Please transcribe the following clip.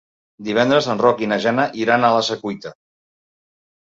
Divendres en Roc i na Jana iran a la Secuita.